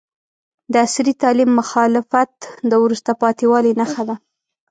د عصري تعلیم مخالفت د وروسته پاتې والي نښه ده.